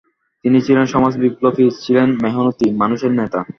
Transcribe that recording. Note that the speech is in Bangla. তিনি ছিলেন সমাজ বিপ্লবী, ছিলেন মেহনতি মানুষের নেতা।